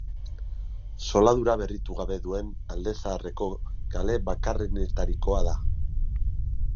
Zoladura berritu gabe duen Alde Zaharreko kale bakarrenetarikoa da.